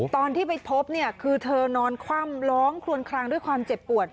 ตอนที่ไปพบเนี่ยคือเธอนอนคว่ำร้องคลวนคลางด้วยความเจ็บปวด